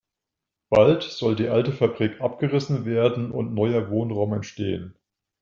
Bald soll die alte Fabrik abgerissen werden und neuer Wohnraum entstehen.